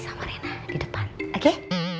sama rena di depan oke